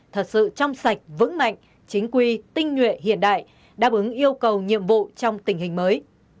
tinh nguyện hiện đại đáp ứng yêu cầu nhiệm vụ trong tình hình mới